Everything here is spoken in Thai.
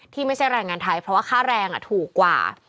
ไม่ใช่แรงงานไทยเพราะว่าค่าแรงถูกกว่า